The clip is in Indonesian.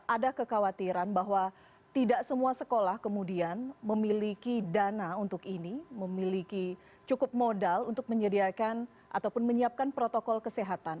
ada kekhawatiran bahwa tidak semua sekolah kemudian memiliki dana untuk ini memiliki cukup modal untuk menyediakan ataupun menyiapkan protokol kesehatan